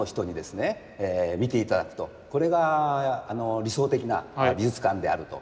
見ていただくとこれが理想的な美術館であると。